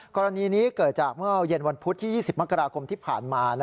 กรณีนี้เกิดจากเมื่อเย็นวันพุธที่๒๐มกราคมที่ผ่านมา